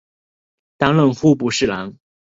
担任户部郎中。